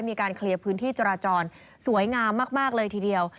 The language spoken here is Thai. มีการเคลียร์พื้นที่จราจรสวยงามมากเลยทีเดียว